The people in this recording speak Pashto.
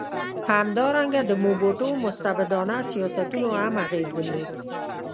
همدارنګه د موبوټو مستبدانه سیاستونو هم اغېز درلود.